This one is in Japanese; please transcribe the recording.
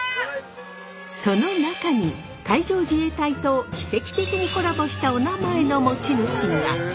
その中に海上自衛隊と奇跡的にコラボしたおなまえの持ち主が。